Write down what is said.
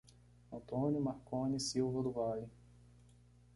Antônio Marcone Silva do Vale